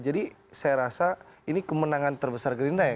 jadi saya rasa ini kemenangan terbesar gerindra ya